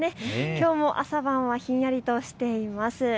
きょうも朝晩はひんやりとしています。